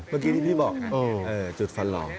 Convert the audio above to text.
เมื่อกี้ที่พี่บอกไงจุดฟันหลอม